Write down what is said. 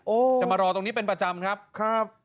จะมารอตรงนี้เป็นประจำครับครับ